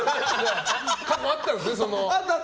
過去、あったんですね。